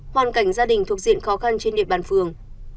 hoàn cảnh gia đình thuộc diện khó khăn trên địa bàn phường